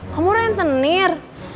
kang murad yang tenir